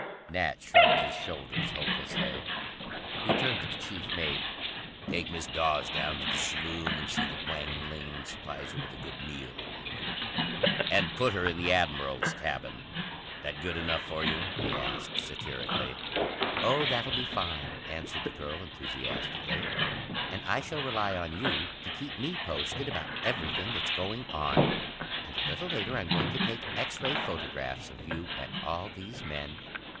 Nat shrugged his shoulders hopelessly. He turned to the chief mate. "Take Miss Dawes down to the saloon and see that Wang Ling supplies her with a good meal," he ordered. "And put her in the Admiral's cabin. That good enough for you?" he asked satirically. "Oh that'll be fine," answered the girl enthusiastically. "And I shall rely on you to keep me posted about everything that's going on. And a little later I'm going to take X ray photographs of you and all these men."